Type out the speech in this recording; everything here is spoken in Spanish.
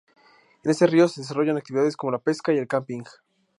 En este río se desarrollan actividades como la pesca y el camping.